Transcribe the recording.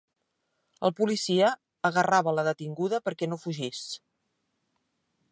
El policia agarrava la detinguda perquè no fugís.